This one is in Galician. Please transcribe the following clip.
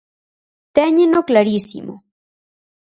Téñeno clarísimo.